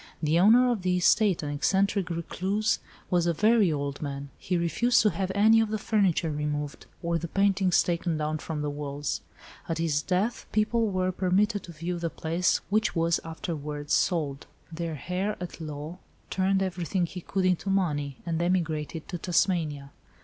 The owner of the estate, an eccentric recluse, was a very old man. He refused to have any of the furniture removed, or the paintings taken down from the walls. At his death, people were permitted to view the place, which was afterwards sold. The heir at law turned everything he could into money, and emigrated to Tasmania."